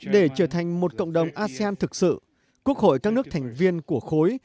để trở thành một cộng đồng asean thực sự quốc hội các nước thành viên của khối